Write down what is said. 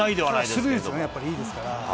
出塁率がいいですから。